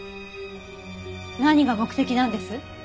何が目的なんです？